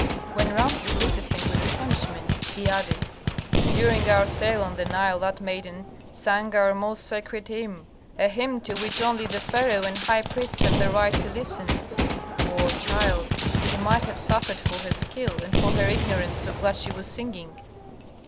When Rameses looked at him with astonishment, he added, "During our sail on the Nile that maiden sang our most sacred hymn, a hymn to which only the pharaoh and high priests have the right to listen. Poor child! she might have suffered for her skill and for her ignorance of what she was singing."